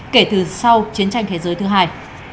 kể từ sau chiến tranh thế giới thứ hai